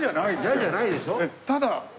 嫌じゃないでしょ？